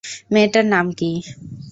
মেয়েটার নাম কী?